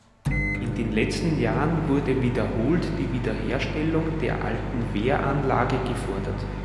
In den letzten Jahren wurde wiederholt die Wiederherstellung der alten Wehranlage gefordert.